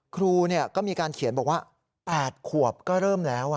ครูก็มีการเขียนบอกว่า๘ขวบก็เริ่มแล้ว